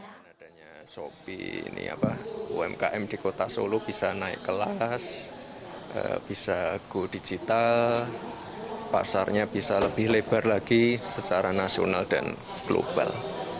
dengan adanya shopee umkm di kota solo bisa naik kelas bisa go digital pasarnya bisa lebih lebar lagi secara nasional dan global